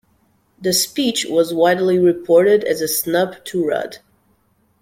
The speech was widely reported as a snub to Rudd.